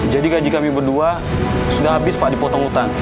jadi gaji kami berdua sudah habis pak dipotong utang